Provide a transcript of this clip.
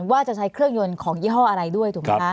ว่าจะใช้เครื่องยนต์ของยี่ห้ออะไรด้วยถูกไหมคะ